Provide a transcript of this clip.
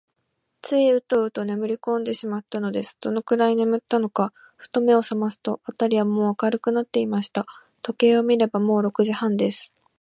ついウトウトねむりこんでしまったのです。どのくらいねむったのか、ふと目をさますと、あたりはもう明るくなっていました。時計を見れば、もう六時半です。